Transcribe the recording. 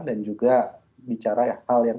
dan juga bicara hal yang